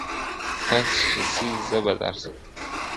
تاسي چي سئ زه به درسم.